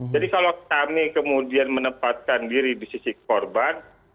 jadi kalau kami kemudian menempatkan diri di sisi korban